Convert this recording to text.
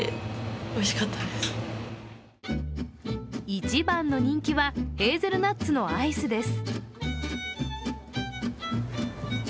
いちばんの人気はヘーゼルナッツのアイスです。